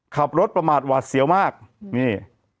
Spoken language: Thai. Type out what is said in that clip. ขับรถประมาทหวาดเสียวมากนี่